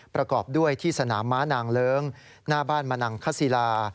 ประกอบด้วยที่สนามม้านางเลิ้งหน้าบ้านมนังคศิลา